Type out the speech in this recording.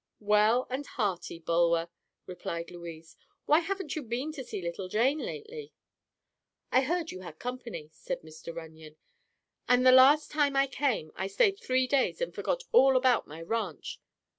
"Well and hearty, Bulwer," replied Louise. "Why haven't you been to see little Jane lately?" "I heard you had company," said Mr. Runyon; "and the last time I came I stayed three days and forgot all about my ranch.